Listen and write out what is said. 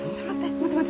待って待って。